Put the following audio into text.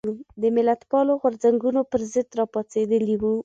د ملتپالو غورځنګونو پر ضد راپاڅېدلي وو.